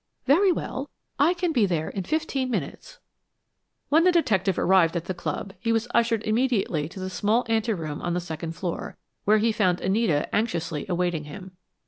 "Very well. I can be there in fifteen minutes." When the detective arrived at the club, he was ushered immediately to the small ante room on the second floor, where he found Anita anxiously awaiting him.